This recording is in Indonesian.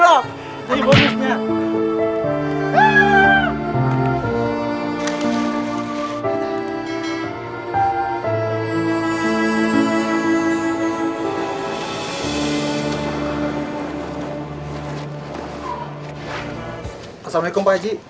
assalamualaikum pak haji